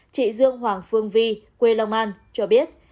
chị dương hoàng phương vi quê long an cho biết